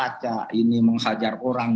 laca menghajar orang